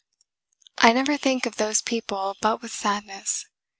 I never think of those people but with sadness.